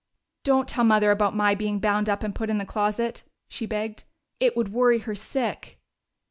"Don't tell Mother about my being bound up and put in the closet," she begged. "It would worry her sick."